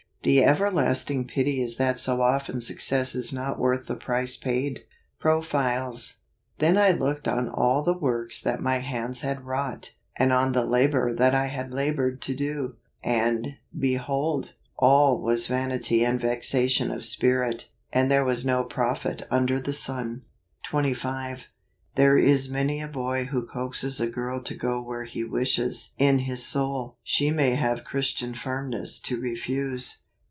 The everlasting pity is that so often success is not worth the price paid. Profiles. " Then Hooked on all the works that my hands had wrought, and on the labour that I had laboured to do: and, behold, all teas vanity and vexation of spirit , and there was no profit under the sun." 25. There is many a boy who coaxes a girl to go where he wishes in his soul she may have Christian bruin ess to refuse.